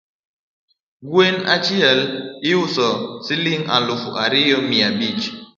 Gweno achiel iuso siling alufu ariyo mia bich